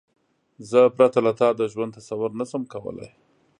زه پرته له تا د ژوند تصور نشم کولای.